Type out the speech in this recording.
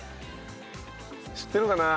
知ってるかな？